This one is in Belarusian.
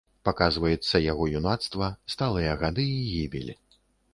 Паказваецца яго юнацтва, сталыя гады і гібель.